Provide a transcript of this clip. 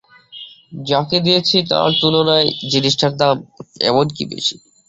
যাঁকে দিয়েছি তাঁর তুলনায় জিনিসটার দাম এমন কি বেশি।